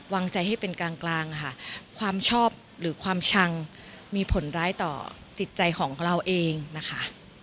วางใจให้เป็นกลางกลางค่ะความชอบหรือความชังมีผลร้ายต่อจิตใจของเราเองนะคะ